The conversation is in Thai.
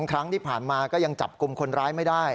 ครั้งที่ผ่านมาก็ยังจับกลุ่มคนร้ายไม่ได้